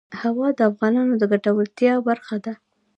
هوا د افغانانو د ګټورتیا برخه ده.